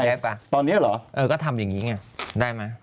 ป่ะตอนนี้เหรอเออก็ทำอย่างนี้ไงได้ไหม